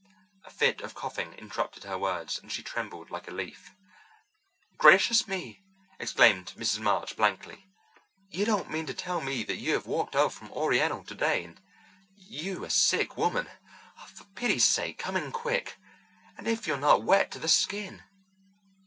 A fit of coughing interrupted her words, and she trembled like a leaf. "Gracious me!" exclaimed Mrs. March blankly. "You don't mean to tell me that you have walked over from Oriental today—and you a sick woman! For pity's sake, come in, quick. And if you're not wet to the skin!"